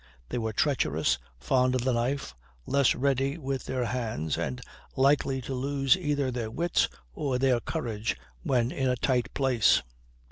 They were treacherous, fond of the knife, less ready with their hands, and likely to lose either their wits or their courage when in a tight place.